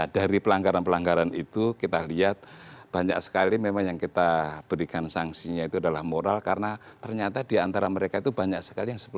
dari pelanggaran pelanggaran itu kita lihat banyak sekali memang yang kita berikan sanksinya itu adalah moral karena ternyata di antara mereka itu banyak sekali yang sebelumnya